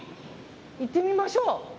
行ってみましょう。